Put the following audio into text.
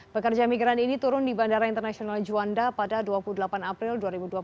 pekerja migran ini turun di bandara internasional juanda pada dua puluh delapan april dua ribu dua puluh